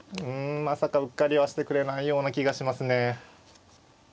まさかうっかりはしてくれないような気がしますね。